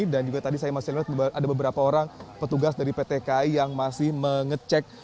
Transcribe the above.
dan juga tadi saya masih melihat ada beberapa orang petugas dari pt ki yang masih mengecek